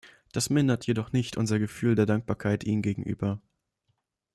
Das mindert jedoch nicht unser Gefühl der Dankbarkeit Ihnen gegenüber.